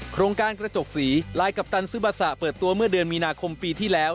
โครงการกระจกสีลายกัปตันซึบาสะเปิดตัวเมื่อเดือนมีนาคมปีที่แล้ว